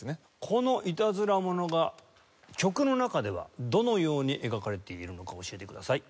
このいたずら者が曲の中ではどのように描かれているのか教えてください。